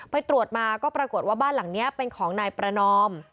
ไปตรวจมาก็ปรากฏว่าบ้านหลังนี้เป็นของนายประนอม